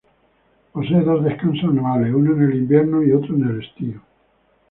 Posee dos descansos anuales, uno en el invierno y otro en el estío.